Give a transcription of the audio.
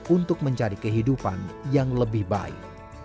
untuk mencari kehidupan yang lebih baik